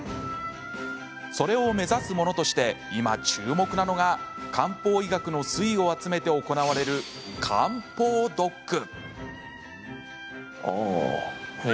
それを目指すものとして今、注目なのが漢方医学の粋を集めて行われる漢方ドック。